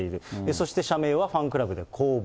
そして社名はファンクラブで公募。